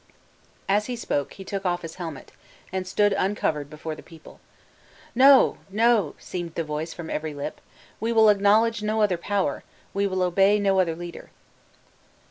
As he spoke, he took off his helmet, and stood uncovered before the people. "No, no!" seemed the voice from every lip; "we will acknowledge no other power, we will obey no other leader!"